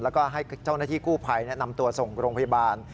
แล้วก็ให้เจ้าหน้าที่กู้ภัยนำตัวส่งโรงพยาบาล